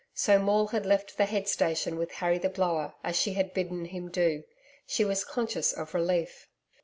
So Maule had left the head station with Harry the Blower, as she had bidden him do. She was conscious of relief.